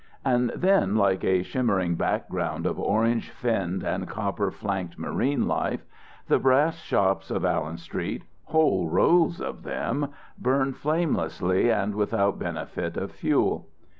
And then, like a shimmering background of orange finned and copper flanked marine life, the brass shops of Allen Street, whole rows of them, burn flamelessly and without benefit of fuel.